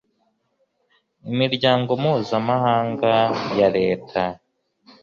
imiryango mpuzamahanga ya reta